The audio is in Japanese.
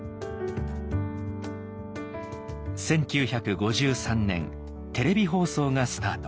１９５３年テレビ放送がスタート。